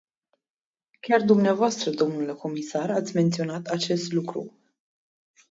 Chiar dvs., dle comisar, ați menționat acest lucru.